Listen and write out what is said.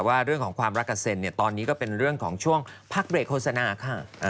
ว่าเรื่องของความรักกับเซ็นตอนนี้ก็เป็นเรื่องของช่วงพักเบรกโฆษณาค่ะ